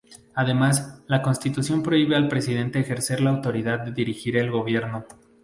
Además, la Constitución prohíbe al Presidente ejercer la autoridad de dirigir el gobierno.